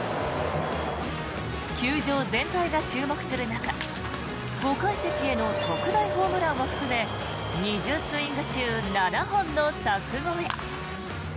球場全体が注目する中５階席への特大ホームランを含め２０スイング中７本の柵越え。